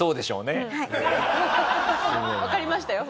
わかりましたよ